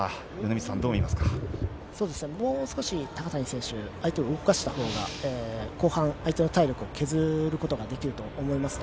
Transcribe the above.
もう少し高谷選手、相手を動かした方が後半相手の体力を削ることができると思います。